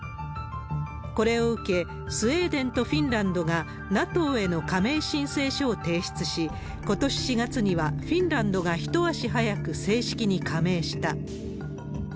これを受け、スウェーデンとフィンランドがＮＡＴＯへの加盟申請書を提出し、ことし４月にはフィンランドが一足早く正式に加盟した。